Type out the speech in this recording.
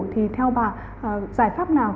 thì theo bà giải pháp nào